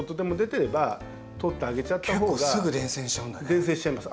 伝染しちゃいます。